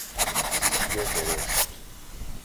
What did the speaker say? سیب درشت